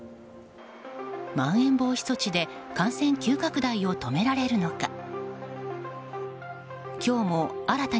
まん延防止措置で感染急拡大を止められるのか。